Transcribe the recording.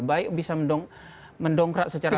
baik bisa mendongkrak secara